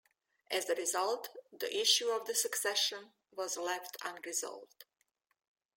As a result, the issue of the succession was left unresolved.